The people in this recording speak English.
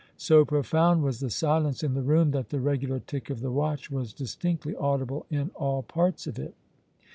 So profound was the silence in the room that the regular tick of the watch was distinctly audible in all parts of it.